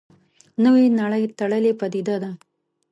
نوې نړۍ تړلې پدیده ده.